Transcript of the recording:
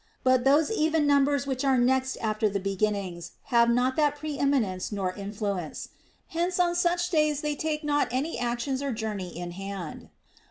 But those even numbers which are next after the beginnings have not that pre eminence nor influence ; hence on such days they take not any actions or journey in hand.